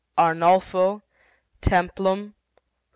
ARNOLFO . TEMPLUM